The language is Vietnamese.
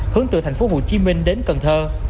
hướng từ tp hcm đến cần thơ